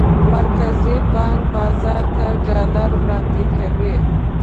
مرکزي بانک بازار ته ډالر وړاندې کوي.